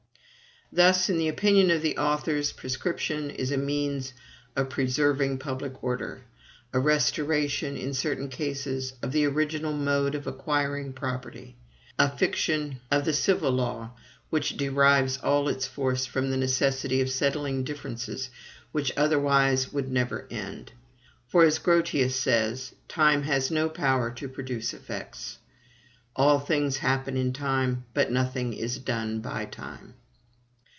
Thus, in the opinion of the authors, prescription is a means of preserving public order; a restoration in certain cases of the original mode of acquiring property; a fiction of the civil law which derives all its force from the necessity of settling differences which otherwise would never end. For, as Grotius says, time has no power to produce effects; all things happen in time, but nothing is done by time.